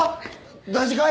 大事かい！？